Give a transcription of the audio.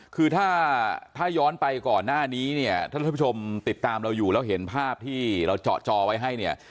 คือถ้าถ้าย้อนไปก่อนหน้านี้เนี่ยท่านผู้ชมติดตามเราอยู่แล้วเห็นภาพที่เราเจาะจอไว้ให้เนี่ย